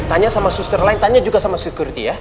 tanya sama suster lain tanya juga sama security ya